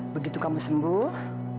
begitu kamu sembuh